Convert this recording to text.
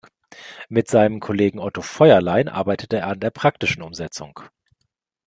Mit seinem Kollegen Otto Feuerlein arbeitete er an der praktischen Umsetzung.